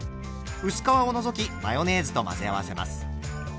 薄皮を除きマヨネーズと混ぜ合わせます。